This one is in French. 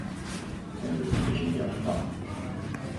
Elle ne s'éveilla pas.